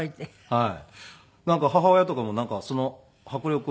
はい。